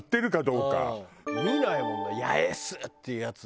見ないもんな「八重洲」っていうやつ。